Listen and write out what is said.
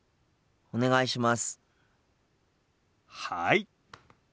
はい。